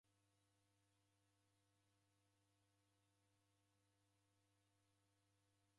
Kilongozi uo obwaghwa ni kansa ya irangi.